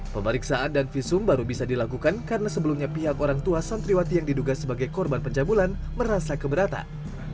pemeriksaan dan visum baru bisa dilakukan karena sebelumnya pihak orang tua santriwati yang diduga sebagai korban pencabulan merasa keberatan